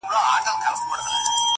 اخ پښتونه چي لښکر سوې نو دبل سوې-